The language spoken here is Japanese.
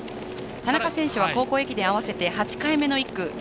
田中選手は高校駅伝合わせて８回目の１区。